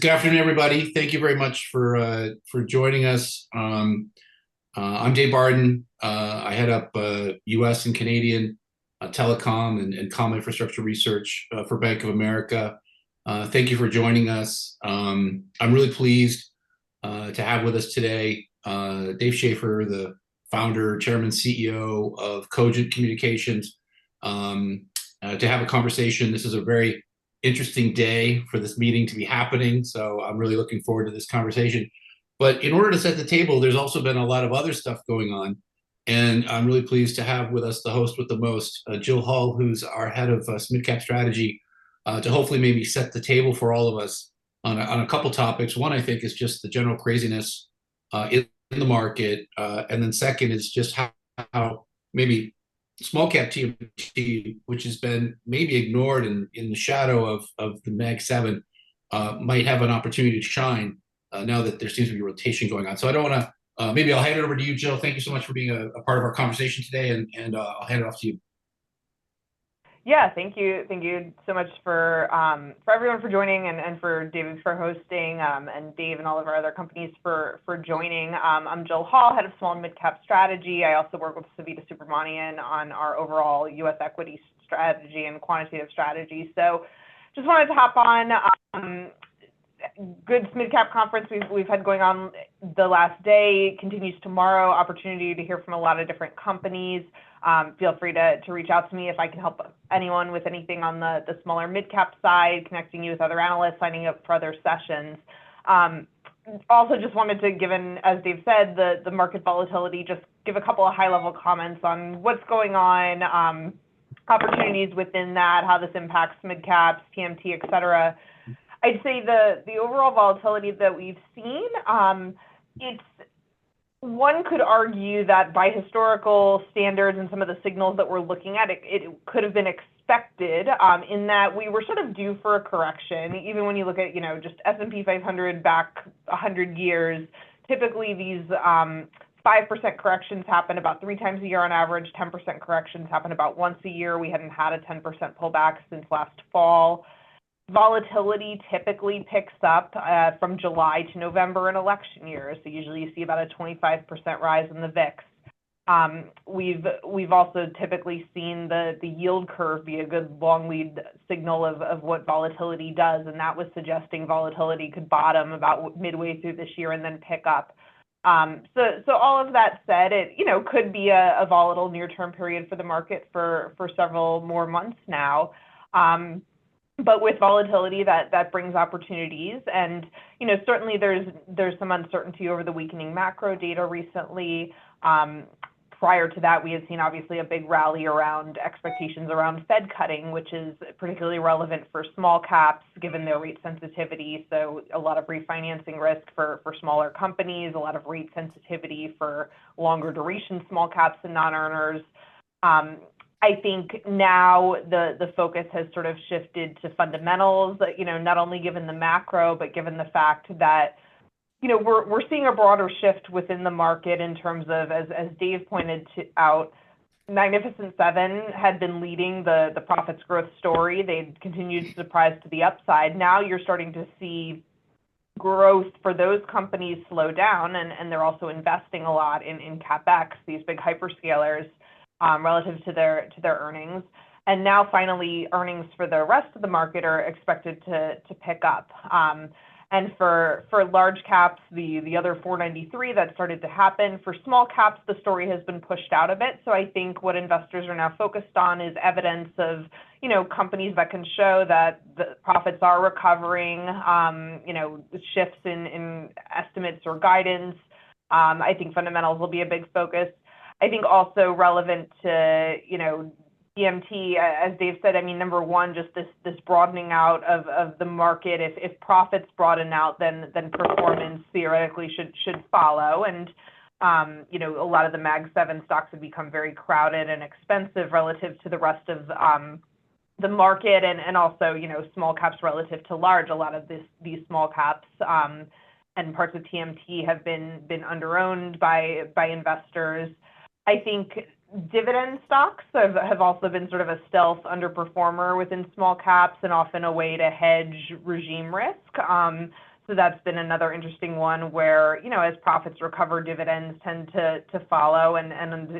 Good afternoon, everybody. Thank you very much for joining us. I'm Dave Barden. I head up U.S. and Canadian Telecom and Comm Infrastructure Research for Bank of America. Thank you for joining us. I'm really pleased to have with us today Dave Schaeffer, the Founder, Chairman, CEO of Cogent Communications to have a conversation. This is a very interesting day for this meeting to be happening, so I'm really looking forward to this conversation. But in order to set the table, there's also been a lot of other stuff going on, and I'm really pleased to have with us the host with the most, Jill Hall, who's our head of mid-cap strategy to hopefully maybe set the table for all of us on a couple topics. One, I think, is just the general craziness in the market. And then second is just how maybe small cap TMT, which has been maybe ignored in the shadow of the Mag Seven, might have an opportunity to shine now that there seems to be rotation going on. So I don't wanna... Maybe I'll hand it over to you, Jill. Thank you so much for being a part of our conversation today, and I'll hand it off to you. Yeah. Thank you. Thank you so much for for everyone for joining, and and for David for hosting, and Dave and all of our other companies for for joining. I'm Jill Hall, head of small and mid-cap strategy. I also work with Savita Subramanian on our overall U.S. equity strategy and quantitative strategy. So just wanted to hop on. Good mid-cap conference we've had going on the last day. Continues tomorrow. Opportunity to hear from a lot of different companies. Feel free to to reach out to me if I can help anyone with anything on the the smaller mid-cap side, connecting you with other analysts, signing up for other sessions. Also just wanted to give, as Dave said, the market volatility, just give a couple of high-level comments on what's going on, opportunities within that, how this impacts midcaps, TMT, et cetera. I'd say the overall volatility that we've seen, it's. One could argue that by historical standards and some of the signals that we're looking at, it could have been expected, in that we were sort of due for a correction. Even when you look at, you know, just S&P 500 back 100 years, typically, these 5% corrections happen about three times a year on average. 10% corrections happen about once a year. We haven't had a 10% pullback since last fall. Volatility typically picks up from July to November in election years. So usually you see about a 25% rise in the VIX. We've also typically seen the yield curve be a good long lead signal of what volatility does, and that was suggesting volatility could bottom about midway through this year and then pick up. So all of that said, it, you know, could be a volatile near-term period for the market for several more months now. But with volatility, that brings opportunities. And, you know, certainly there's some uncertainty over the weakening macro data recently. Prior to that, we had seen, obviously, a big rally around expectations around Fed cutting, which is particularly relevant for small caps, given their rate sensitivity. So a lot of refinancing risk for smaller companies, a lot of rate sensitivity for longer duration small caps and non-earners. I think now the focus has sort of shifted to fundamentals, you know, not only given the macro, but given the fact that... You know, we're seeing a broader shift within the market in terms of, as Dave pointed out, Magnificent Seven had been leading the profits growth story. They've continued to surprise to the upside. Now you're starting to see growth for those companies slow down, and they're also investing a lot in CapEx, these big hyperscalers, relative to their earnings. And now, finally, earnings for the rest of the market are expected to pick up. And for large caps, the other 493, that started to happen. For small caps, the story has been pushed out a bit. So I think what investors are now focused on is evidence of, you know, companies that can show that the profits are recovering, you know, shifts in estimates or guidance. I think fundamentals will be a big focus. I think also relevant to, you know, TMT, as Dave said, I mean, number one, just this broadening out of the market. If profits broaden out, then performance theoretically should follow. And, you know, a lot of the Mag Seven stocks have become very crowded and expensive relative to the rest of the market and also, you know, small caps relative to large. A lot of these small caps and parts of TMT have been underowned by investors. I think dividend stocks have also been sort of a stealth underperformer within small caps and often a way to hedge regime risk. So that's been another interesting one where, you know, as profits recover, dividends tend to follow. And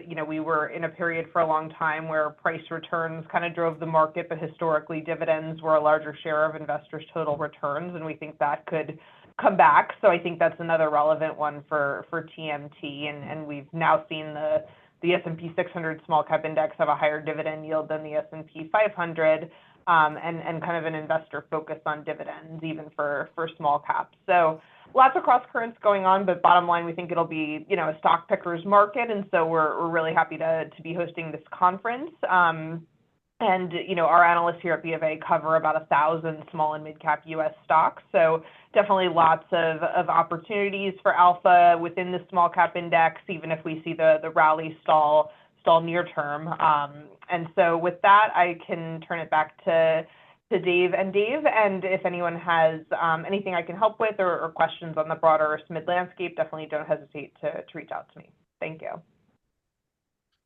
you know, we were in a period for a long time where price returns kind of drove the market, but historically, dividends were a larger share of investors' total returns, and we think that could come back. So I think that's another relevant one for TMT, and we've now seen the S&P 600 small cap index have a higher dividend yield than the S&P 500, and kind of an investor focus on dividends, even for small caps. So lots of crosscurrents going on, but bottom line, we think it'll be, you know, a stock picker's market, and so we're really happy to be hosting this conference. And, you know, our analysts here at BofA cover about 1,000 small and mid-cap U.S. stocks, so definitely lots of opportunities for Alpha within the small cap index, even if we see the rally stall near term. And so with that, I can turn it back to Dave and Dave. And if anyone has anything I can help with or questions on the broader mid landscape, definitely don't hesitate to reach out to me. Thank you. ...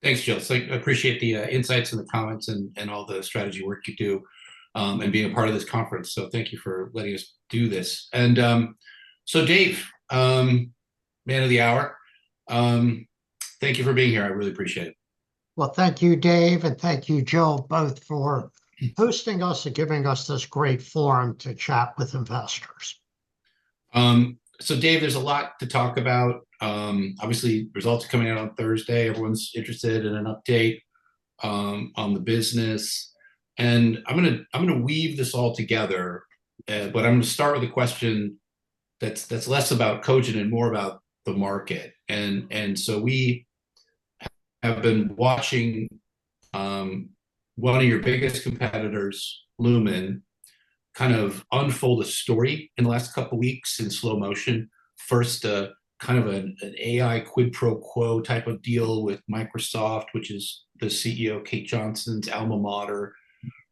Thanks, Jill. So I appreciate the insights and the comments and all the strategy work you do, and being a part of this conference, so thank you for letting us do this. And so Dave, man of the hour, thank you for being here. I really appreciate it. Well, thank you, Dave, and thank you, Jill, both for hosting us and giving us this great forum to chat with investors. So Dave, there's a lot to talk about. Obviously, results are coming out on Thursday. Everyone's interested in an update on the business, and I'm gonna weave this all together. But I'm gonna start with a question that's less about Cogent and more about the market. And so we have been watching one of your biggest competitors, Lumen, kind of unfold a story in the last couple weeks in slow motion. First, a kind of an AI quid pro quo type of deal with Microsoft, which is the CEO, Kate Johnson's alma mater.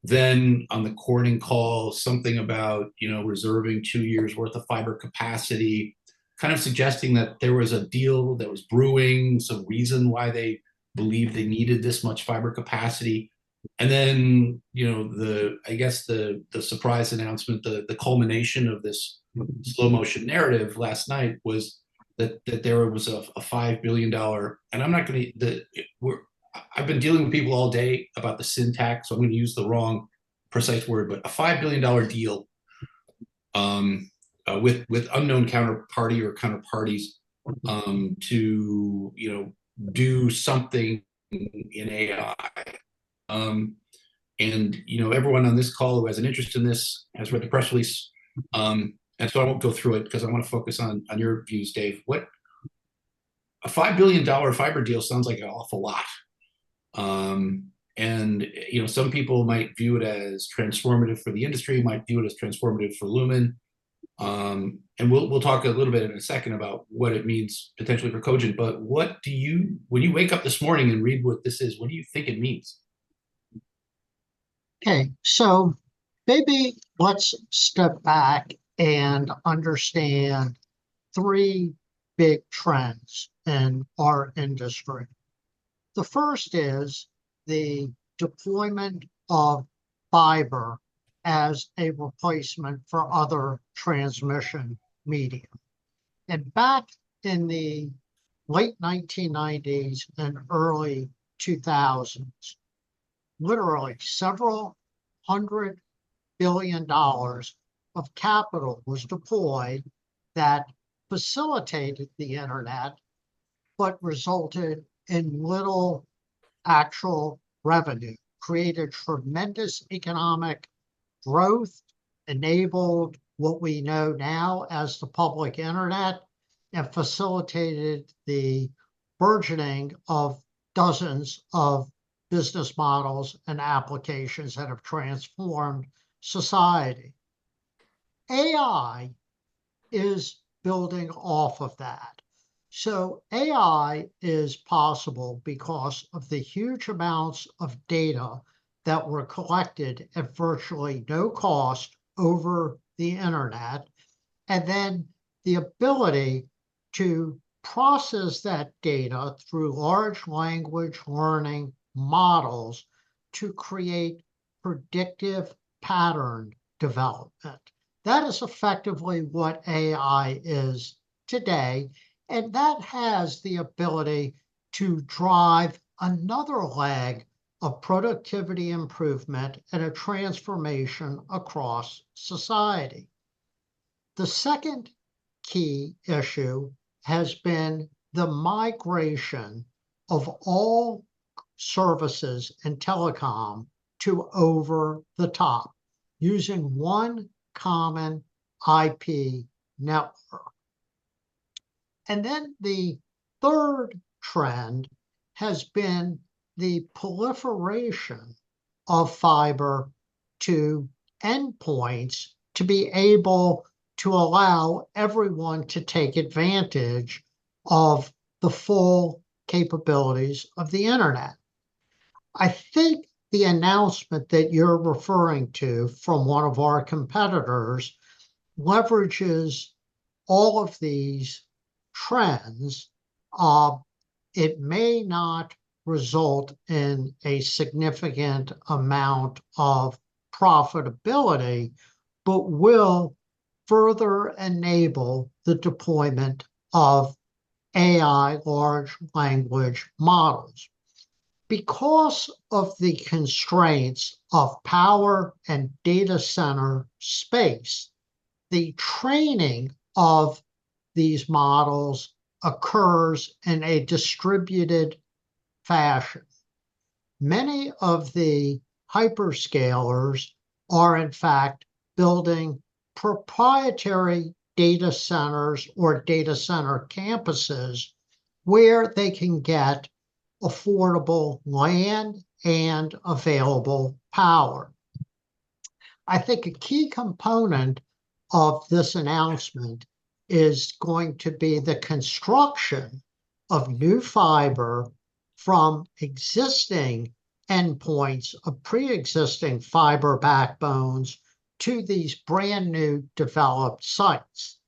Then, on the Corning call, something about, you know, reserving two years' worth of fiber capacity, kind of suggesting that there was a deal that was brewing, some reason why they believed they needed this much fiber capacity. And then, you know, the... I guess, the surprise announcement, the culmination of this slow-motion narrative last night was that there was a $5 billion, and I'm not gonna. I've been dealing with people all day about the syntax, so I'm gonna use the wrong precise word, but a $5 billion deal with unknown counterparty or counterparties, you know, to do something in AI. And you know, everyone on this call who has an interest in this has read the press release, and so I won't go through it, 'cause I wanna focus on your views, Dave. What... A $5 billion fiber deal sounds like an awful lot. And, you know, some people might view it as transformative for the industry, might view it as transformative for Lumen. We'll talk a little bit in a second about what it means potentially for Cogent, but what do you, when you wake up this morning and read what this is, what do you think it means? Okay, so maybe let's step back and understand three big trends in our industry. The first is the deployment of fiber as a replacement for other transmission medium. Back in the late 1990s and early 2000s, literally $several hundred billion of capital was deployed that facilitated the internet, but resulted in little actual revenue. Created tremendous economic growth, enabled what we know now as the public internet, and facilitated the burgeoning of dozens of business models and applications that have transformed society. AI is building off of that. AI is possible because of the huge amounts of data that were collected at virtually no cost over the internet, and then the ability to process that data through large language learning models to create predictive pattern development. That is effectively what AI is today, and that has the ability to drive another leg of productivity improvement and a transformation across society. The second key issue has been the migration of all services and telecom to over-the-top, using one common IP network. And then the third trend has been the proliferation of fiber to endpoints to be able to allow everyone to take advantage of the full capabilities of the internet. I think the announcement that you're referring to from one of our competitors leverages all of these trends. It may not result in a significant amount of profitability, but will further enable the deployment of AI large language models. Because of the constraints of power and data center space, the training of these models occurs in a distributed fashion. Many of the hyperscalers are, in fact, building proprietary data centers or data center campuses where they can get affordable land and available power. I think a key component of this announcement is going to be the construction of new fiber from existing endpoints of pre-existing fiber backbones to these brand-new developed sites.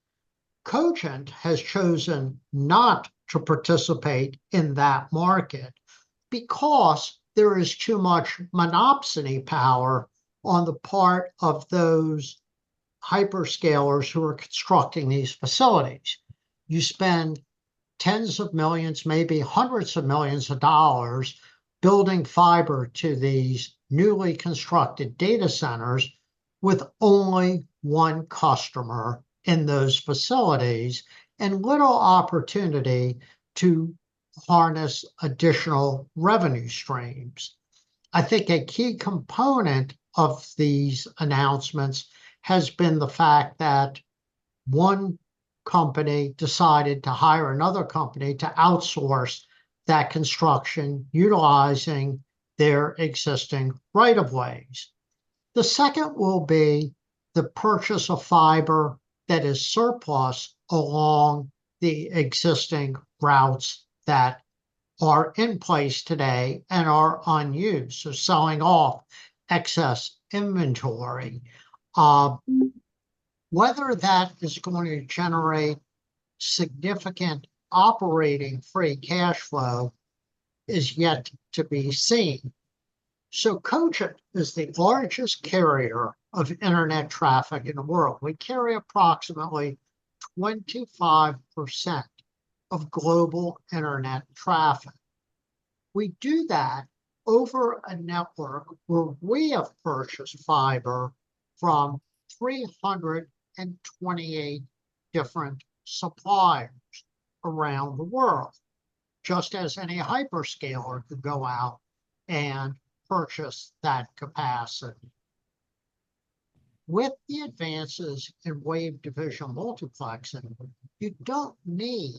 Cogent has chosen not to participate in that market because there is too much monopsony power on the part of those hyperscalers who are constructing these facilities. You spend $10s of millions, maybe $100s of millions, building fiber to these newly constructed data centers with only one customer in those facilities, and little opportunity to harness additional revenue streams. I think a key component of these announcements has been the fact that one company decided to hire another company to outsource that construction, utilizing their existing right of ways. The second will be the purchase of fiber that is surplus along the existing routes that are in place today and are unused, so selling off excess inventory. Whether that is going to generate significant operating free cash flow is yet to be seen. So Cogent is the largest carrier of internet traffic in the world. We carry approximately 25% of global internet traffic. We do that over a network where we have purchased fiber from 328 different suppliers around the world, just as any hyperscaler could go out and purchase that capacity. With the advances in wave division multiplexing, you don't need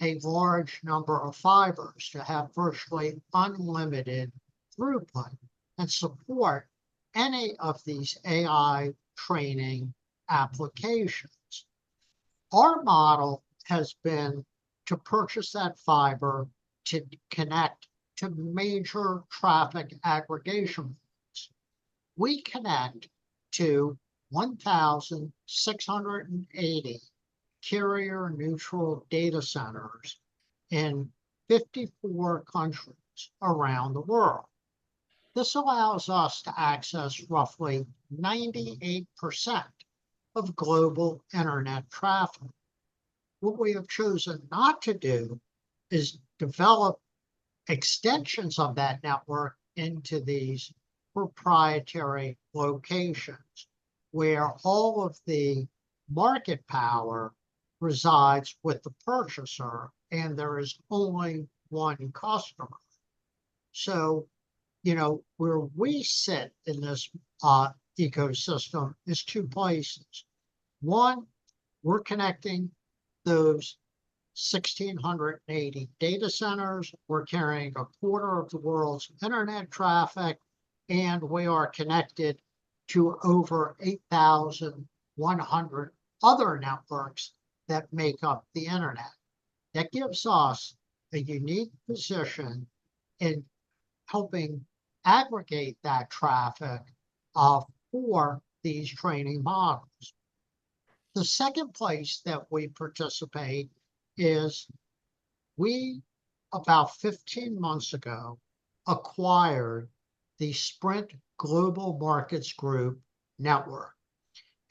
a large number of fibers to have virtually unlimited throughput and support any of these AI training applications. Our model has been to purchase that fiber to connect to major traffic aggregation. We connect to 1,680 carrier-neutral data centers in 54 countries around the world. This allows us to access roughly 98% of global internet traffic. What we have chosen not to do is develop extensions of that network into these proprietary locations, where all of the market power resides with the purchaser, and there is only one customer. So, you know, where we sit in this ecosystem is two places. One, we're connecting those 1,680 data centers, we're carrying a quarter of the world's internet traffic, and we are connected to over 8,100 other networks that make up the internet. That gives us a unique position in helping aggregate that traffic for these training models. The second place that we participate is we, about 15 months ago, acquired the Sprint Global Markets Group network.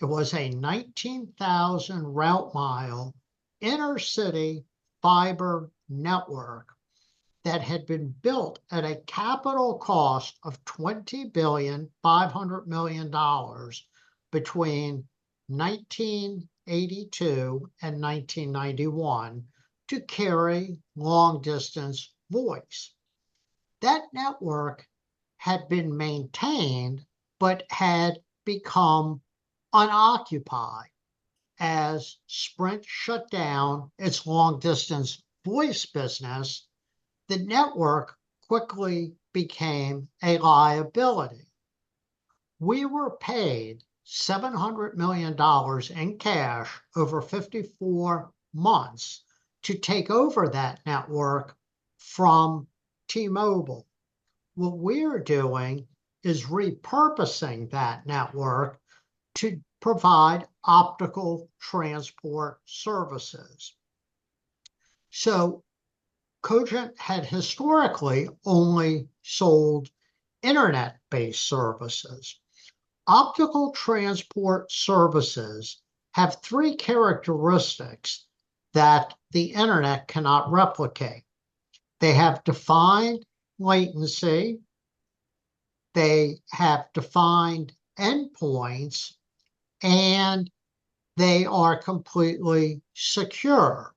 It was a 19,000 route-mile inner-city fiber network that had been built at a capital cost of $20.5 billion between 1982 and 1991 to carry long-distance voice. That network had been maintained but had become unoccupied. As Sprint shut down its long-distance voice business, the network quickly became a liability. We were paid $700 million in cash over 54 months to take over that network from T-Mobile. What we're doing is repurposing that network to provide optical transport services. So Cogent had historically only sold internet-based services. Optical transport services have three characteristics that the internet cannot replicate: They have defined latency, they have defined endpoints, and they are completely secure.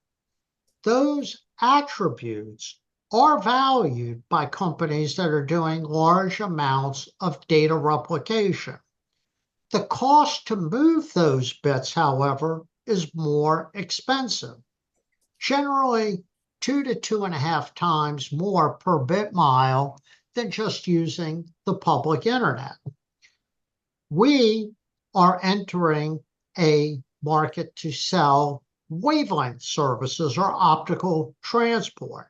Those attributes are valued by companies that are doing large amounts of data replication. The cost to move those bits, however, is more expensive, generally 2-2.5 times more per bit mile than just using the public internet. We are entering a market to sell wavelength services or optical transport.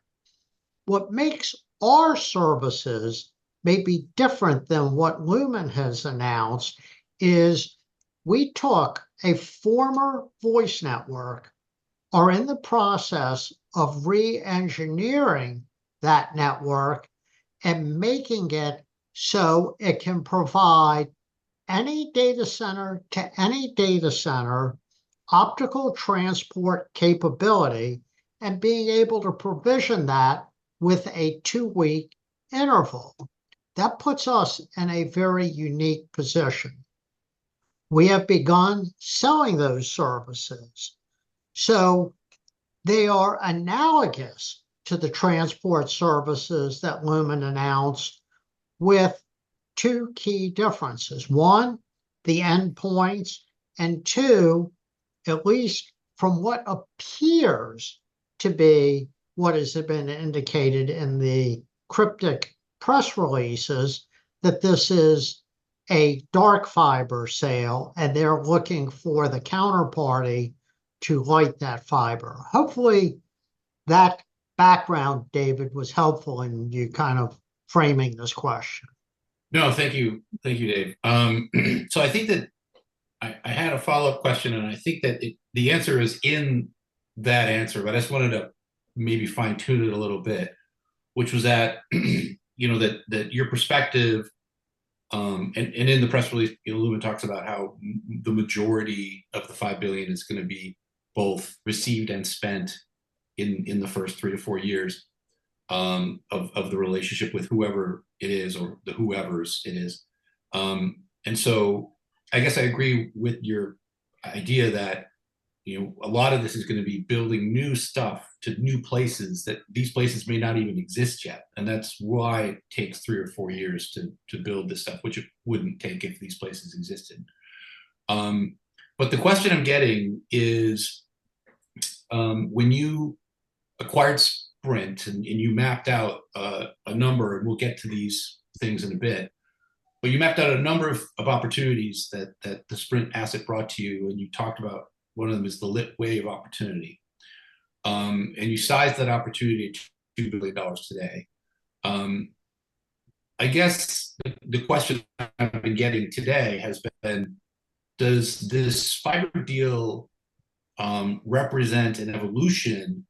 What makes our services maybe different than what Lumen has announced is we took a former voice network, are in the process of re-engineering that network, and making it so it can provide any data center to any data center optical transport capability, and being able to provision that with a 2-week interval. That puts us in a very unique position. We have begun selling those services, so they are analogous to the transport services that Lumen announced, with two key differences: one, the endpoints, and two, at least from what appears to be what has been indicated in the cryptic press releases, that this is a dark fiber sale, and they're looking for the counterparty to light that fiber. Hopefully, that background, David, was helpful in you kind of framing this question. No, thank you. Thank you, Dave. So I think that I had a follow-up question, and I think that the answer is in that answer, but I just wanted to maybe fine-tune it a little bit, which was that, you know, that your perspective, and in the press release, you know, Lumen talks about how the majority of the $5 billion is gonna be both received and spent in the first three to four years of the relationship with whoever it is or the whoevers it is. I guess I agree with your idea that, you know, a lot of this is gonna be building new stuff to new places, that these places may not even exist yet, and that's why it takes three or four years to build this stuff, which it wouldn't take if these places existed. But the question I'm getting is, when you acquired Sprint, and you mapped out a number, and we'll get to these things in a bit, but you mapped out a number of opportunities that the Sprint asset brought to you, and you talked about one of them is the Lit Wave opportunity. And you sized that opportunity at $2 billion today. I guess the question I've been getting today has been: Does this fiber deal represent an evolution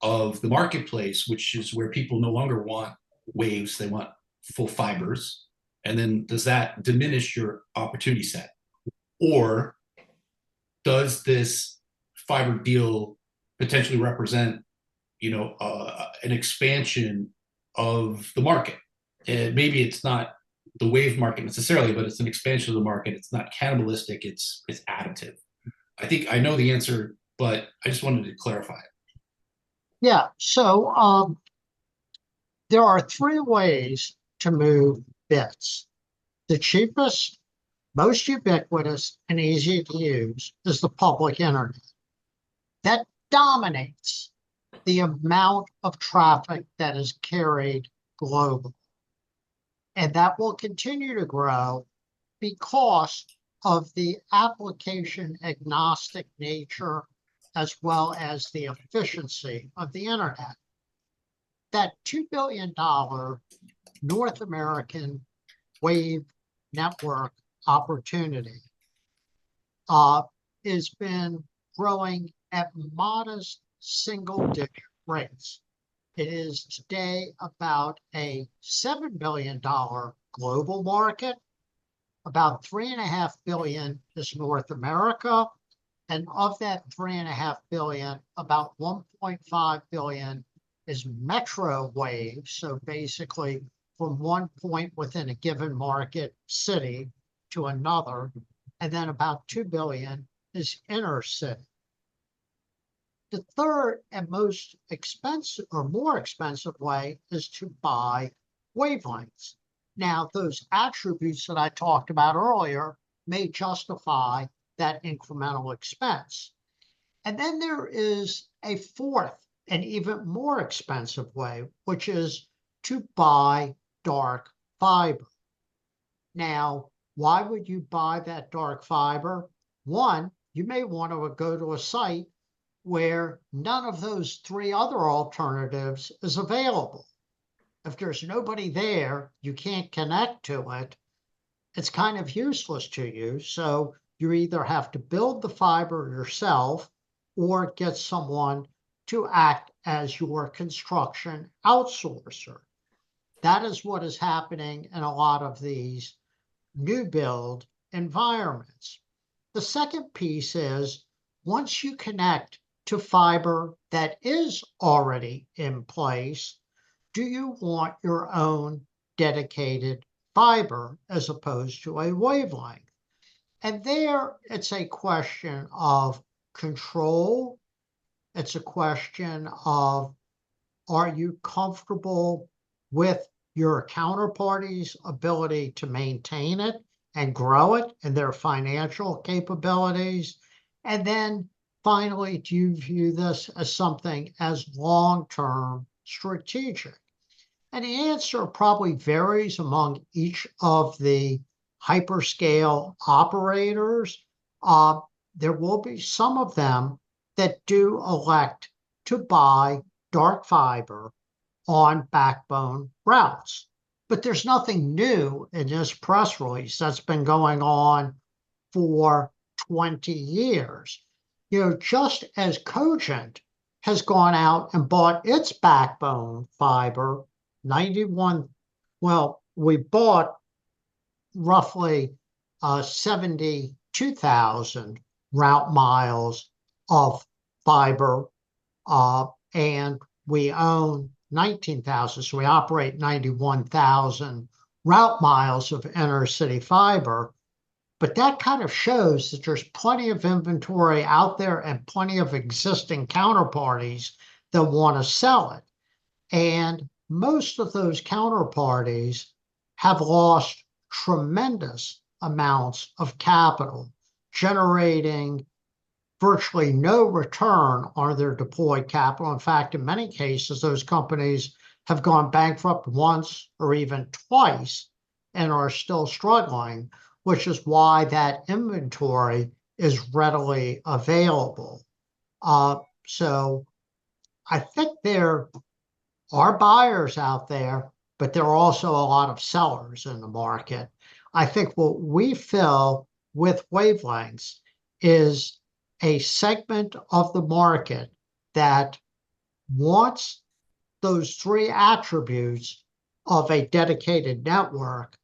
of the marketplace, which is where people no longer want waves, they want full fibers? And then does that diminish your opportunity set, or does this fiber deal potentially represent, you know, an expansion of the market? Maybe it's not the wave market necessarily, but it's an expansion of the market. It's not cannibalistic, it's additive. I think I know the answer, but I just wanted to clarify it. Yeah. So, there are three ways to move bits. The cheapest, most ubiquitous, and easy to use is the public internet. That dominates the amount of traffic that is carried globally, and that will continue to grow because of the application-agnostic nature, as well as the efficiency of the internet. That $2 billion North American wave network opportunity has been growing at modest single-digit rates. It is today about a $7 billion global market. About $3.5 billion is North America, and of that $3.5 billion, about $1.5 billion is metro wave, so basically from one point within a given market city to another, and then about $2 billion is intercity. The third and most expensive, or more expensive way, is to buy wavelengths. Now, those attributes that I talked about earlier may justify that incremental expense. And then there is a fourth, and even more expensive way, which is to buy dark fiber. Now, why would you buy that dark fiber? One, you may want to go to a site where none of those three other alternatives is available. If there's nobody there, you can't connect to it, it's kind of useless to you, so you either have to build the fiber yourself or get someone to act as your construction outsourcer. That is what is happening in a lot of these new-build environments. The second piece is, once you connect to fiber that is already in place, do you want your own dedicated fiber as opposed to a wavelength? And there, it's a question of control, it's a question of: Are you comfortable with your counterparty's ability to maintain it and grow it, and their financial capabilities? And then finally, do you view this as something as long-term strategic? And the answer probably varies among each of the hyperscale operators. There will be some of them that do elect to buy dark fiber on backbone routes, but there's nothing new in this press release. That's been going on for 20 years. You know, just as Cogent has gone out and bought its backbone fiber, 91... Well, we bought roughly 72,000 route miles of fiber, and we own 19,000, so we operate 91,000 route miles of inter-city fiber. But that kind of shows that there's plenty of inventory out there and plenty of existing counterparties that wanna sell it, and most of those counterparties have lost tremendous amounts of capital, generating virtually no return on their deployed capital. In fact, in many cases, those companies have gone bankrupt once or even twice, and are still struggling, which is why that inventory is readily available. So I think there are buyers out there, but there are also a lot of sellers in the market. I think what we fill with Wavelengths is a segment of the market that wants those three attributes of a dedicated network,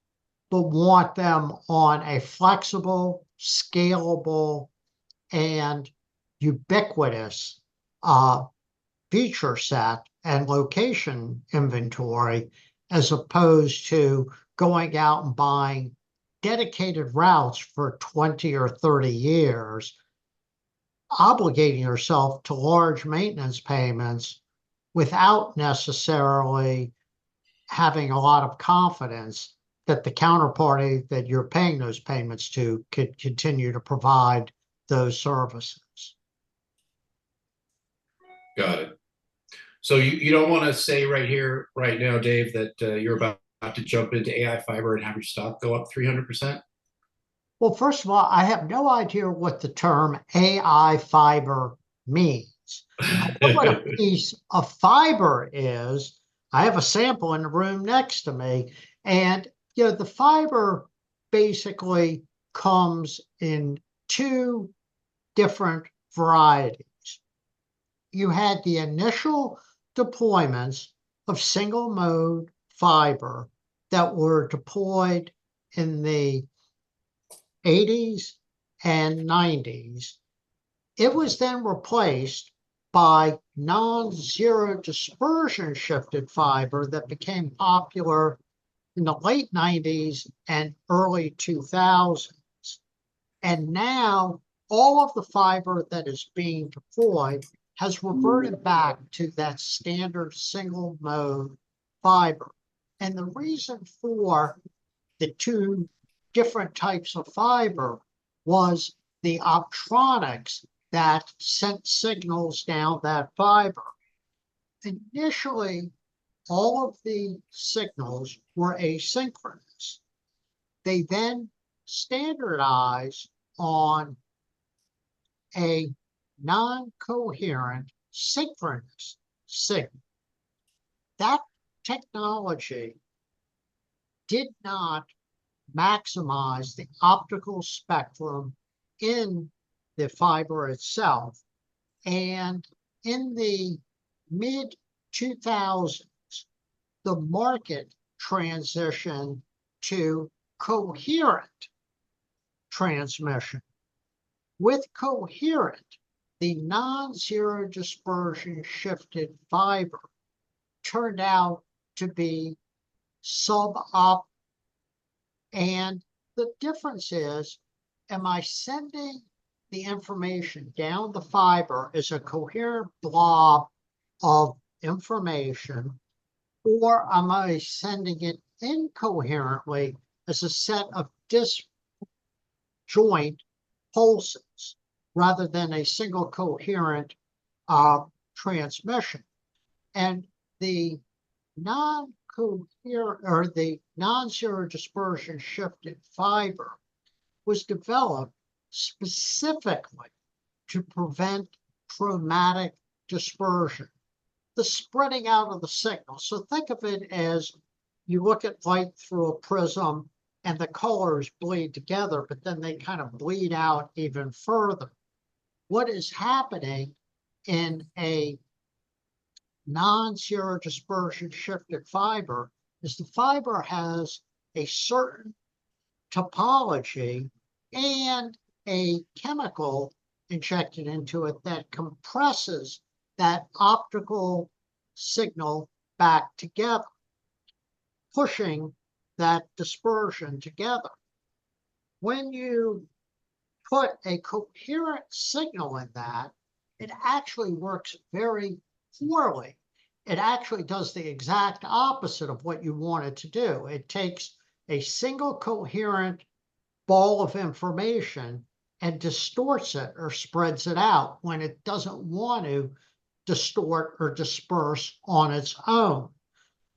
but want them on a flexible, scalable, and ubiquitous feature set and location inventory, as opposed to going out and buying dedicated routes for 20 or 30 years, obligating yourself to large maintenance payments, without necessarily having a lot of confidence that the counterparty that you're paying those payments to can continue to provide those services. Got it. So you, you don't wanna say right here, right now, Dave, that you're about to jump into AI fiber and have your stock go up 300%? Well, first of all, I have no idea what the term AI fiber means. I know what a piece of fiber is. I have a sample in the room next to me, and, you know, the fiber basically comes in two different varieties. You had the initial deployments of single-mode fiber that were deployed in the eighties and nineties. It was then replaced by non-zero dispersion-shifted fiber that became popular in the late nineties and early 2000s, and now all of the fiber that is being deployed has reverted back to that standard single-mode fiber. And the reason for the two different types of fiber was the optoelectronics that sent signals down that fiber. Initially, all of the signals were asynchronous. They then standardized on a non-coherent synchronous signal. That technology did not maximize the optical spectrum in the fiber itself, and in the mid-2000s, the market transitioned to coherent transmission. With coherent, the non-zero dispersion-shifted fiber turned out to be sub-op, and the difference is, am I sending the information down the fiber as a coherent blob of information, or am I sending it incoherently as a set of disjointed pulses, rather than a single coherent transmission? And the non-coherent... or the non-zero dispersion-shifted fiber was developed specifically to prevent chromatic dispersion, the spreading out of the signal. So think of it as you look at light through a prism, and the colors bleed together, but then they kind of bleed out even further. What is happening in a non-zero dispersion-shifted fiber is the fiber has a certain topology and a chemical injected into it that compresses that optical signal back together, pushing that dispersion together. When you put a coherent signal in that, it actually works very poorly. It actually does the exact opposite of what you want it to do. It takes a single coherent ball of information and distorts it or spreads it out when it doesn't want to distort or disperse on its own.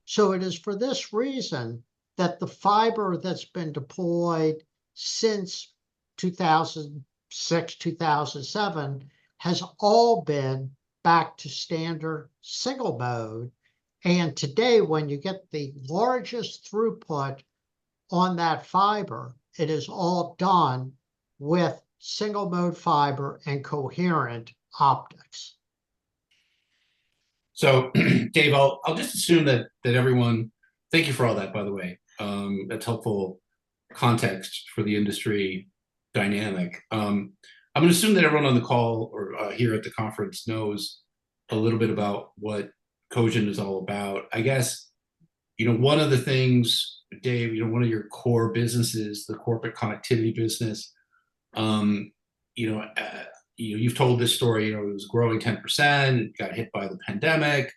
So it is for this reason that the fiber that's been deployed since 2006, 2007, has all been back to standard single mode, and today, when you get the largest throughput on that fiber, it is all done with single mode fiber and coherent optics. So Dave, I'll just assume that everyone... Thank you for all that, by the way. That's helpful context for the industry dynamic. I'm gonna assume that everyone on the call or here at the conference knows a little bit about what Cogent is all about. I guess, you know, one of the things, Dave, you know, one of your core businesses, the corporate connectivity business, you know, you've told this story, you know, it was growing 10%, it got hit by the pandemic.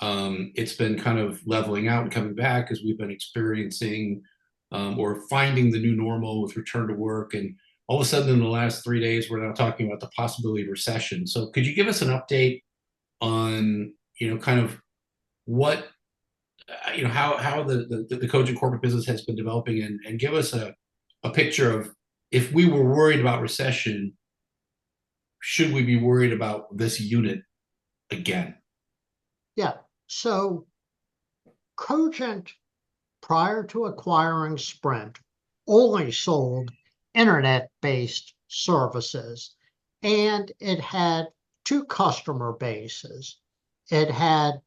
It's been kind of leveling out and coming back as we've been experiencing or finding the new normal with return to work, and all of a sudden, in the last three days, we're now talking about the possibility of recession. So could you give us an update on, you know, kind of what, you know, how the Cogent corporate business has been developing? And give us a picture of, if we were worried about recession, should we be worried about this unit again? Yeah. So Cogent, prior to acquiring Sprint, only sold internet-based services, and it had two customer bases. It had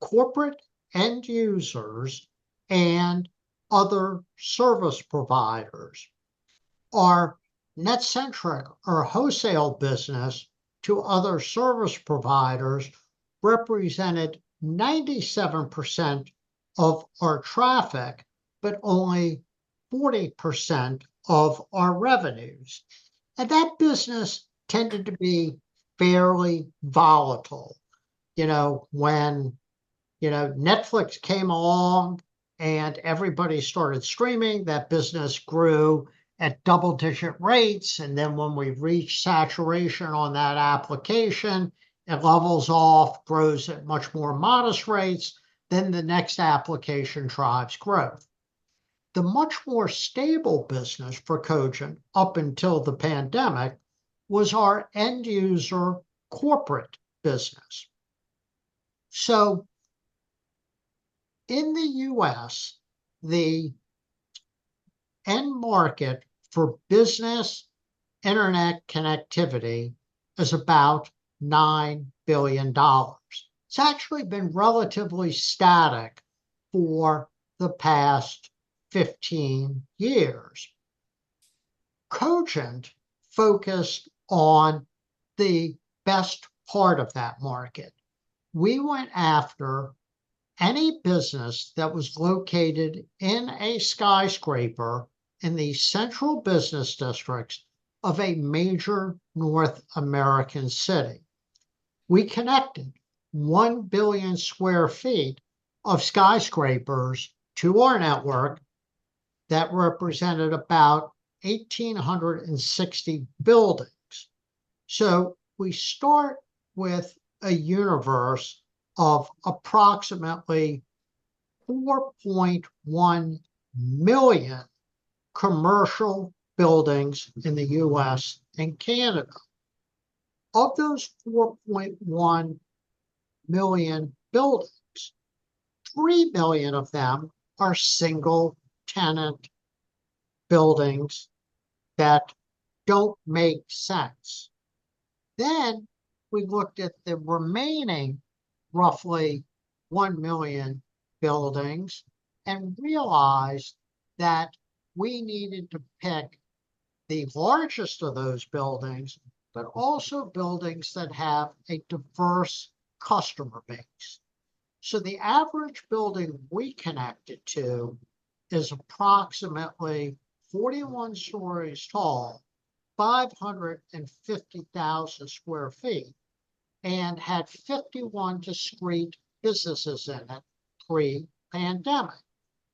corporate end users and other service providers. Our NetCentric, our wholesale business to other service providers, represented 97% of our traffic, but only 40% of our revenues, and that business tended to be fairly volatile. You know, when, you know, Netflix came along and everybody started streaming, that business grew at double-digit rates, and then when we reached saturation on that application, it levels off, grows at much more modest rates, then the next application drives growth. The much more stable business for Cogent, up until the pandemic, was our end user corporate business. So in the U.S., the end market for business internet connectivity is about $9 billion. It's actually been relatively static for the past 15 years. Cogent focused on the best part of that market. We went after any business that was located in a skyscraper in the central business districts of a major North American city. We connected 1 billion sq ft of skyscrapers to our network that represented about 1,860 buildings. So we start with a universe of approximately 4.1 million commercial buildings in the U.S. and Canada. Of those 4.1 million buildings, 3 million of them are single-tenant buildings that don't make sense. Then, we looked at the remaining, roughly 1 million buildings, and realized that we needed to pick the largest of those buildings, but also buildings that have a diverse customer base. So the average building we connected to is approximately 41 stories tall, 550,000 sq ft, and had 51 discrete businesses in it pre-pandemic.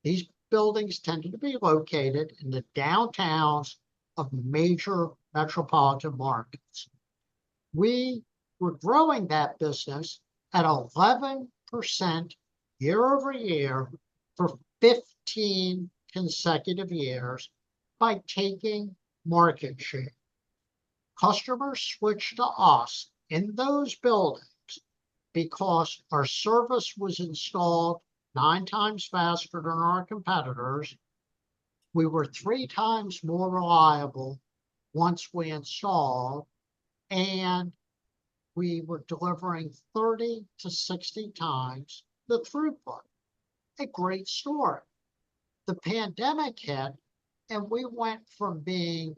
These buildings tended to be located in the downtowns of major metropolitan markets. We were growing that business at 11% year-over-year for 15 consecutive years by taking market share. Customers switched to us in those buildings because our service was installed 9 times faster than our competitors, we were 3 times more reliable once we installed, and we were delivering 30-60 times the throughput. A great story. The pandemic hit, and we went from being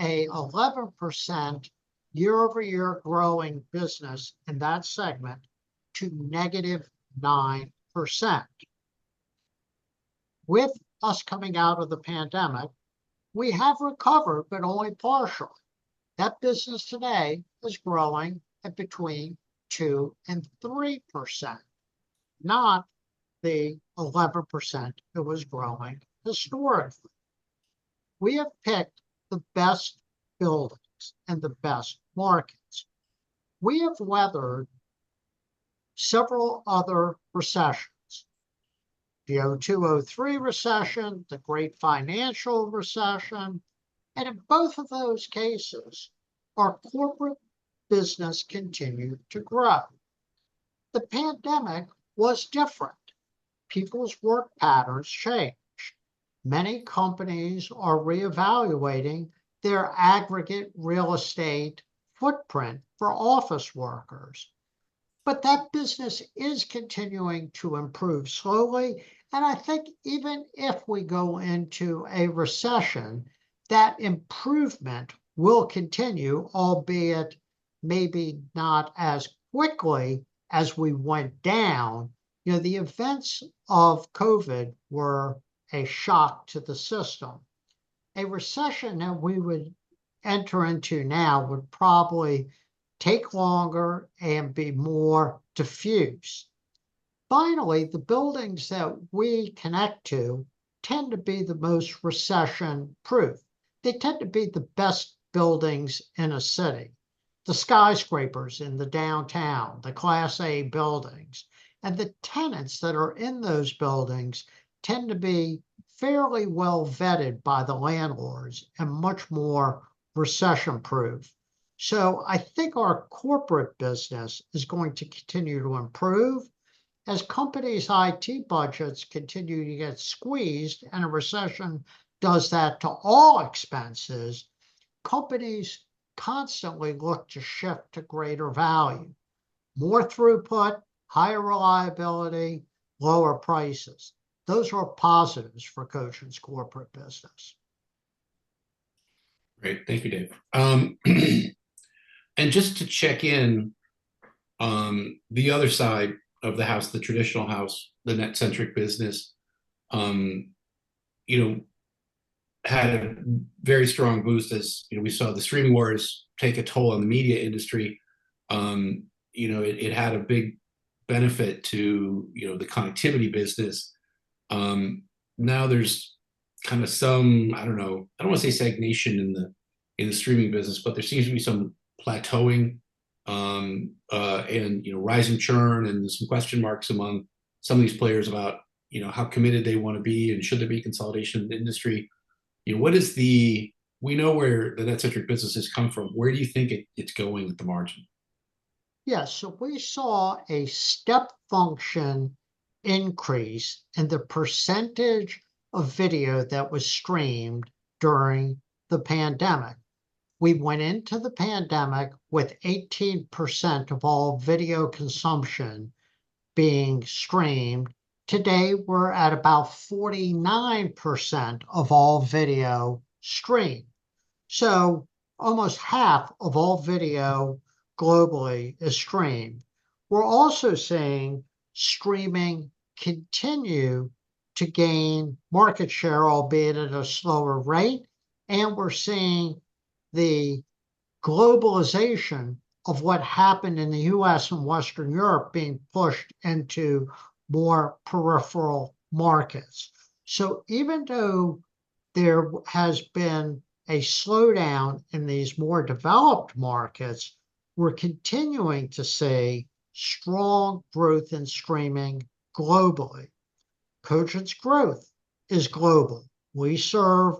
a 11% year-over-year growing business in that segment to -9%. With us coming out of the pandemic, we have recovered, but only partially. That business today is growing at between 2% and 3%... not the 11% it was growing historically. We have picked the best buildings and the best markets. We have weathered several other recessions, the 2002, 2003 recession, the great financial recession, and in both of those cases, our corporate business continued to grow. The pandemic was different. People's work patterns changed. Many companies are reevaluating their aggregate real estate footprint for office workers, but that business is continuing to improve slowly, and I think even if we go into a recession, that improvement will continue, albeit maybe not as quickly as we went down. You know, the events of COVID were a shock to the system. A recession that we would enter into now would probably take longer and be more diffuse. Finally, the buildings that we connect to tend to be the most recession-proof. They tend to be the best buildings in a city, the skyscrapers in the downtown, the Class A buildings. And the tenants that are in those buildings tend to be fairly well-vetted by the landlords, and much more recession-proof. So I think our corporate business is going to continue to improve. As companies' IT budgets continue to get squeezed, and a recession does that to all expenses, companies constantly look to shift to greater value, more throughput, higher reliability, lower prices. Those are positives for Cogent's corporate business. Great. Thank you, Dave. Just to check in, the other side of the house, the traditional house, the NetCentric business, you know, had a very strong boost as, you know, we saw the streaming wars take a toll on the media industry. You know, it, it had a big benefit to, you know, the connectivity business. Now there's kind of some, I don't know, I don't wanna say stagnation in the, in the streaming business, but there seems to be some plateauing, and, you know, rising churn, and some question marks among some of these players about, you know, how committed they wanna be, and should there be consolidation in the industry? You know, what is the... We know where the NetCentric businesses come from. Where do you think it, it's going with the margin? Yeah. So we saw a step function increase in the percentage of video that was streamed during the pandemic. We went into the pandemic with 18% of all video consumption being streamed. Today, we're at about 49% of all video streamed, so almost half of all video globally is streamed. We're also seeing streaming continue to gain market share, albeit at a slower rate, and we're seeing the globalization of what happened in the U.S. and Western Europe being pushed into more peripheral markets. So even though there has been a slowdown in these more developed markets, we're continuing to see strong growth in streaming globally. Cogent's growth is global. We serve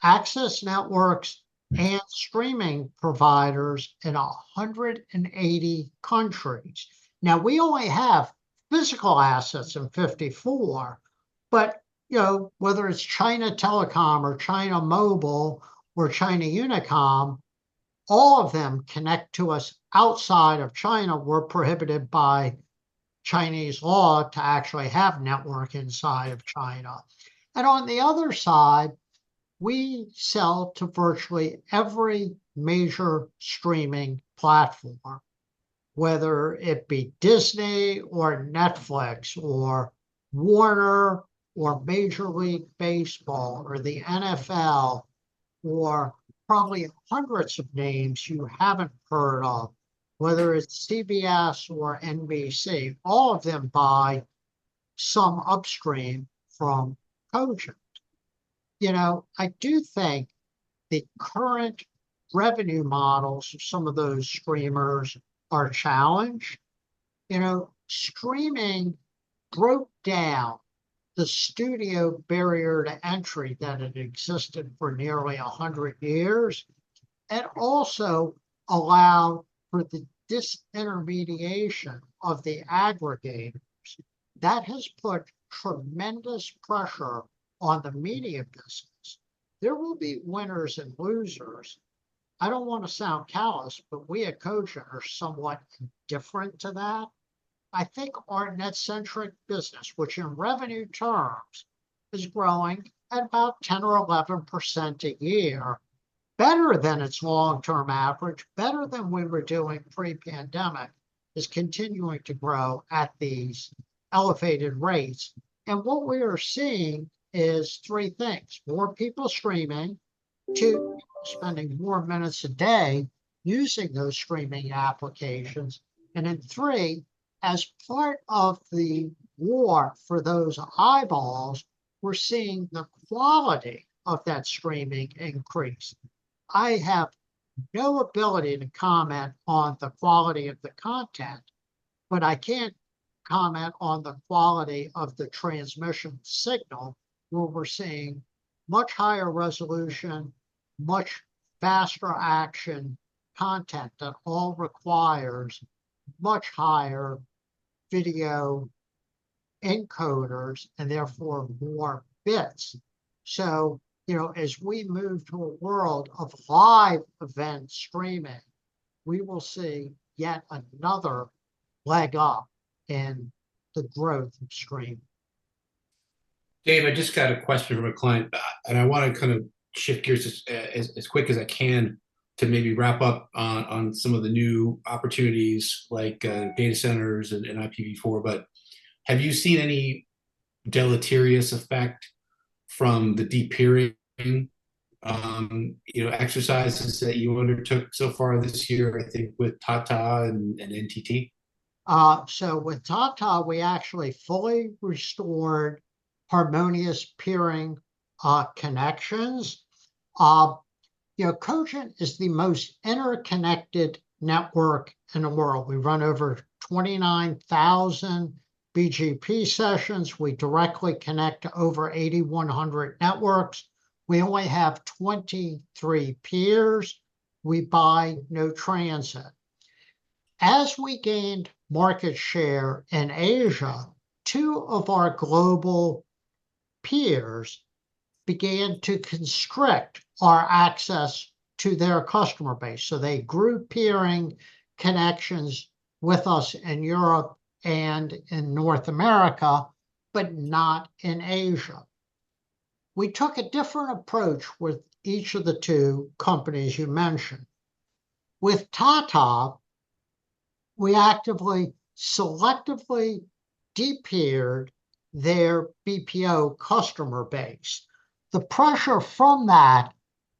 access networks and streaming providers in 180 countries. Now, we only have physical assets in 54, but, you know, whether it's China Telecom, or China Mobile, or China Unicom, all of them connect to us outside of China. We're prohibited by Chinese law to actually have network inside of China. And on the other side, we sell to virtually every major streaming platform, whether it be Disney, or Netflix, or Warner, or Major League Baseball, or the NFL, or probably hundreds of names you haven't heard of. Whether it's CBS or NBC, all of them buy some upstream from Cogent. You know, I do think the current revenue models of some of those streamers are challenged. You know, streaming broke down the studio barrier to entry that had existed for nearly 100 years, and also allowed for the disintermediation of the aggregators. That has put tremendous pressure on the media business. There will be winners and losers. I don't wanna sound callous, but we at Cogent are somewhat indifferent to that. I think our net-centric business, which in revenue terms is growing at about 10% or 11% a year, better than its long-term average, better than we were doing pre-pandemic, is continuing to grow at these elevated rates. And what we are seeing is three things: more people streaming. Two, spending more minutes a day using those streaming applications. And then three, as part of the war for those eyeballs, we're seeing the quality of that streaming increase. I have no ability to comment on the quality of the content, but I can comment on the quality of the transmission signal, where we're seeing much higher resolution, much faster action content, that all requires much higher video encoders, and therefore more bits. So, you know, as we move to a world of live event streaming, we will see yet another leg up in the growth of streaming. Dave, I just got a question from a client, and I wanna kind of shift gears as quick as I can to maybe wrap up on some of the new opportunities like data centers and IPv4. But have you seen any deleterious effect from the de-peering, you know, exercises that you undertook so far this year, I think with Tata and NTT? So with Tata, we actually fully restored harmonious peering connections. You know, Cogent is the most interconnected network in the world. We run over 29,000 BGP sessions. We directly connect to over 8,100 networks. We only have 23 peers. We buy no transit. As we gained market share in Asia, two of our global peers began to constrict our access to their customer base, so they grew peering connections with us in Europe and in North America, but not in Asia. We took a different approach with each of the two companies you mentioned. With Tata, we actively, selectively de-peered their BPO customer base. The pressure from that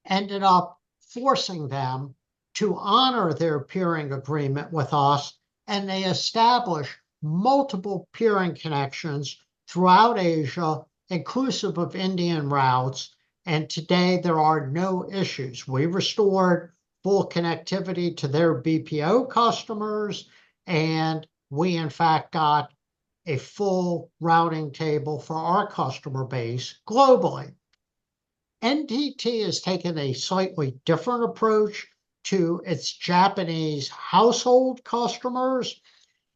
ended up forcing them to honor their peering agreement with us, and they established multiple peering connections throughout Asia, inclusive of Indian routes, and today there are no issues. We restored full connectivity to their BPO customers, and we, in fact, got a full routing table for our customer base globally. NTT has taken a slightly different approach to its Japanese household customers.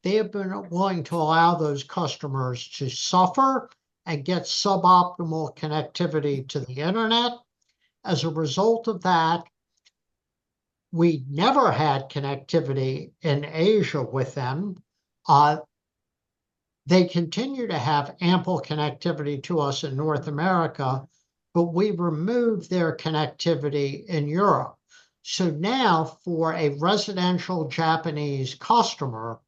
They have been willing to allow those customers to suffer and get suboptimal connectivity to the internet. As a result of that, we never had connectivity in Asia with them. They continue to have ample connectivity to us in North America, but we've removed their connectivity in Europe. So now, for a residential Japanese customer,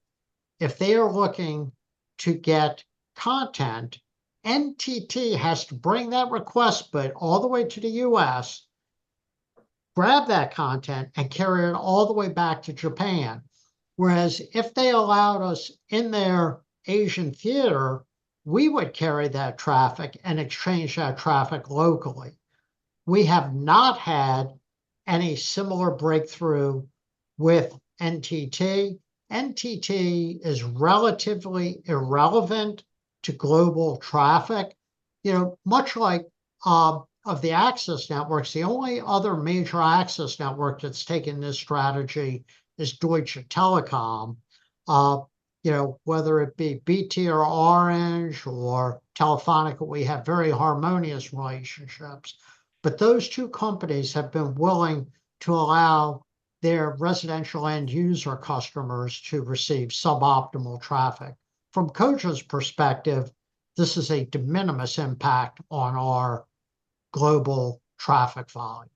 if they are looking to get content, NTT has to bring that request bit all the way to the U.S., grab that content, and carry it all the way back to Japan. Whereas, if they allowed us in their Asian theater, we would carry that traffic and exchange that traffic locally. We have not had any similar breakthrough with NTT. NTT is relatively irrelevant to global traffic. You know, much like of the access networks, the only other major access network that's taken this strategy is Deutsche Telekom. You know, whether it be BT or Orange or Telefónica, we have very harmonious relationships. But those two companies have been willing to allow their residential end user customers to receive suboptimal traffic. From Cogent's perspective, this is a de minimis impact on our global traffic volumes.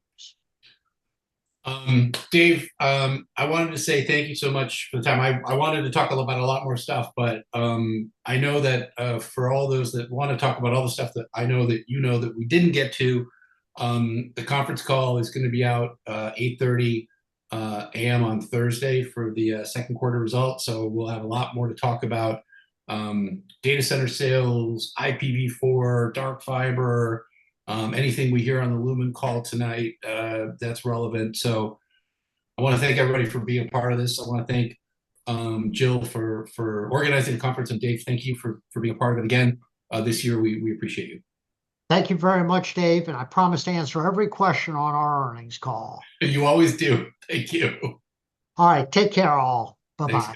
Dave, I wanted to say thank you so much for the time. I wanted to talk about a lot more stuff, but I know that for all those that wanna talk about all the stuff that I know that you know that we didn't get to, the conference call is gonna be out 8:30 A.M. on Thursday for the second quarter results, so we'll have a lot more to talk about. Data center sales, IPv4, dark fiber, anything we hear on the Lumen call tonight, that's relevant. So I wanna thank everybody for being a part of this. I wanna thank Jill for organizing the conference. And Dave, thank you for being a part of it again this year. We appreciate you. Thank you very much, Dave, and I promise to answer every question on our earnings call. You always do. Thank you. All right, take care, all. Bye-bye.